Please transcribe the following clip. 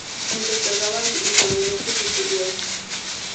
Mientras cargaban les ordenó que se cubrieran.